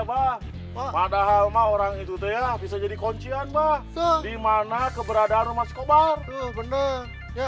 pak padahal orang itu teh bisa jadi kunci anwar dimana keberadaan mas kobar bener ya